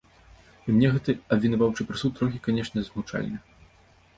І мне гэты абвінаваўчы прысуд трохі, канечне, засмучальны.